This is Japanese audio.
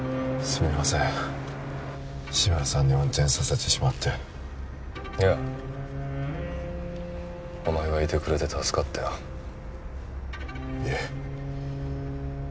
すみません志村さんに運転させてしまっていやお前がいてくれて助かったよいえ